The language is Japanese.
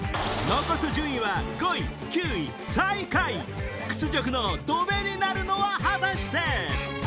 残す順位は５位９位最下位屈辱のドベになるのは果たして？